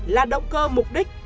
là động cơ mục đích